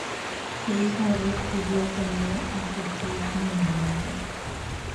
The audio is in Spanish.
Su hija Ruth vivió con ella hasta su último momento.